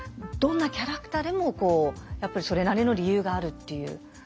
どんなキャラクターでもやっぱりそれなりの理由があるっていう。